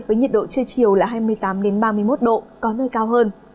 với nhiệt độ chưa chiều là hai mươi tám đến ba mươi một độ có nơi cao hơn